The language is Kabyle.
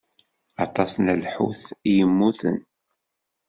Aṭas n lḥut i yemmuten.